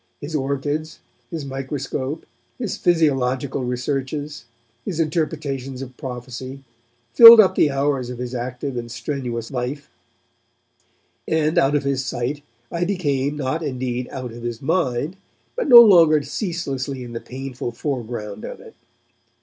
His orchids, his microscope, his physiological researches, his interpretations of prophecy, filled up the hours of his active and strenuous life, and, out of his sight, I became not indeed out of his mind, but no longer ceaselessly in the painful foreground of it.